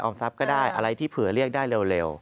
ทรัพย์ก็ได้อะไรที่เผื่อเรียกได้เร็ว